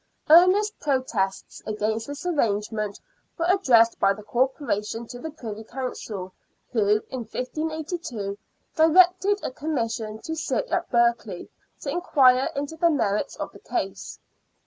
Earnest protests against this arrangement were addressed by the Corporation to the Privy Council, who, in 1582, directed a Commission to sit at Berkeley to inquire into the merits of the case.